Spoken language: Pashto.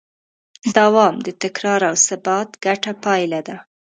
دوام د تکرار او ثبات ګډه پایله ده.